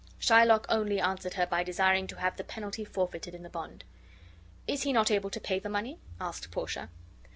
Shylock only answered her by desiring to have the penalty forfeited in the bond. "Is he not able to pay the money?" asked Portia.